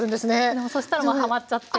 でもそしたらもうはまっちゃって。